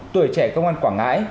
tuổi trẻ công an quảng ngãi